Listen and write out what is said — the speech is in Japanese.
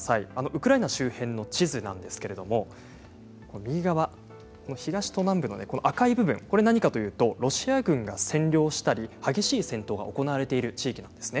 ウクライナ周辺の地図なんですけれど、右側東と南部で赤い部分これは何かというとロシア軍が占領したり激しい戦闘が行われている地域なんです。